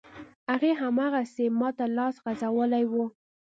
هغې، هماغسې ماته لاس غځولی و.